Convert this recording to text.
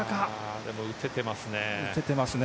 でも打てていますね。